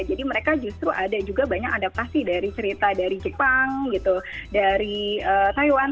jadi mereka justru ada juga banyak adaptasi dari cerita dari jepang gitu dari taiwan